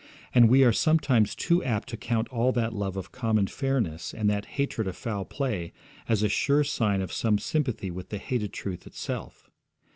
And we are sometimes too apt to count all that love of common fairness, and that hatred of foul play, as a sure sign of some sympathy with the hated truth itself.